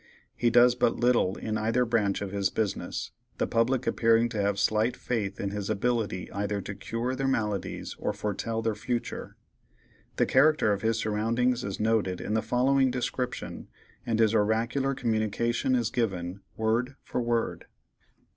He does but little in either branch of his business, the public appearing to have slight faith in his ability either to cure their maladies or foretell their future. The character of his surroundings is noted in the following description, and his oracular communication is given, word for word.